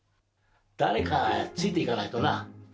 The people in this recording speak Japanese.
誰かついて行かないとな。